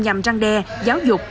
nhằm răng đe giáo dục